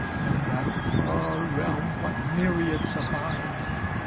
In that far realm what myriads abide